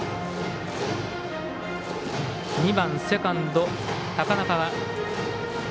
２番、セカンド、高中。